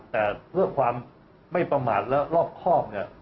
แต่เพื่อความไม่ประมาทและรอบครอบเนี่ย